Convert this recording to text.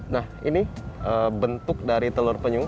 nah ini bentuk dari telur penyu